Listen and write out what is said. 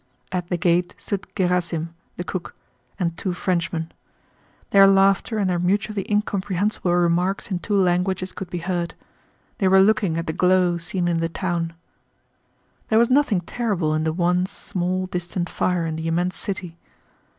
At the gate stood Gerásim, the cook, and two Frenchmen. Their laughter and their mutually incomprehensible remarks in two languages could be heard. They were looking at the glow seen in the town. There was nothing terrible in the one small, distant fire in the immense city.